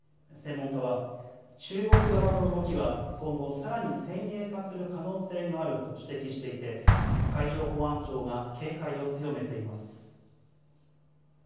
専門家は、中国側の動きは今後、さらに先鋭化する可能性があると指摘していて、海上保安庁が警戒を強めています。